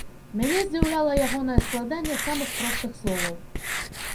Мяне здзіўляла ягонае складанне самых простых словаў.